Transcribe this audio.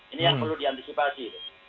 ini yang perlu diantisipasi